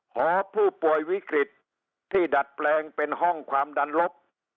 หอผู้ป่วยวิกฤตที่ดัดแปลงเป็นห้องความดันลบ